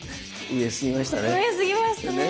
上すぎましたね！